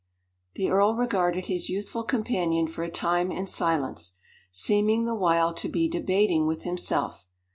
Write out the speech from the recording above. The earl regarded his youthful companion for a time in silence, seeming the while to be debating with himself.